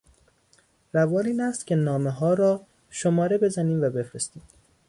روال این است که نامهها را شماره بزنیم و بفرستیم.